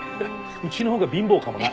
うちの方が貧乏かもな。